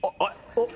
おっ！